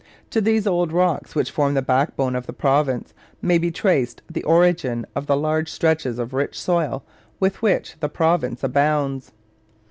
To these old rocks which form the backbone of the province may be traced the origin of the large stretches of rich soil with which the province abounds.